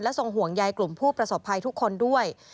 ทรงห่วงใยกลุ่มผู้ประสบภัยทุกคนด้วย